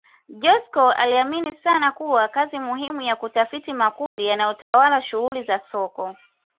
Joskow aliamini sana kuwa kazi muhimu ya kutafiti makundi yanayotawala shughuli za soko